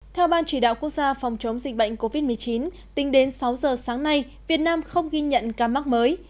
theo ban chỉ đạo quốc gia phòng chống dịch bệnh covid một mươi chín tính đến sáu giờ sáng nay việt nam không ghi nhận ca mắc mới